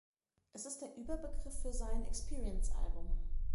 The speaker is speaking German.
Es ist der Überbegriff für sein „Experience“-Album.